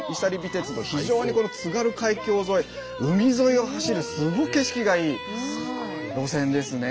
鉄道非常にこの津軽海峡沿い海沿いを走るすごい景色がいい路線ですね。